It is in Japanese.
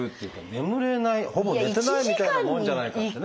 眠れないほぼ寝てないみたいなもんじゃないかってね。